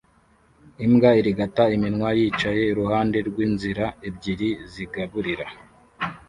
Imbwa irigata iminwa yicaye iruhande rw'inzira ebyiri zigaburira